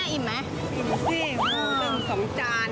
อิ่มสิอิ่มสองจาน